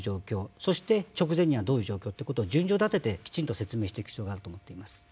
そして、直前にはどういう状況ということを順序立てて、きちんと説明していく必要があると思っています。